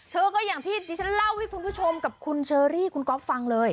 ก็อย่างที่ที่ฉันเล่าให้คุณผู้ชมกับคุณเชอรี่คุณก๊อฟฟังเลย